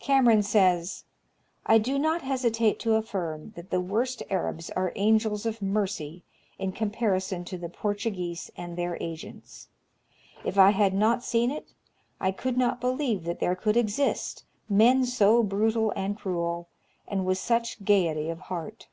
Cameron says, " I do not hesitate to affirm that the worst Arabs are angels of mercy in comparison to the Portuguese and their agents. If I had not seen it, I could not believe that there could exist men so brutal and cruel, and with such gayety of heart."